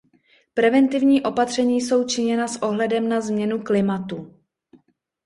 Preventivní opatření jsou činěna s ohledem na změnu klimatu.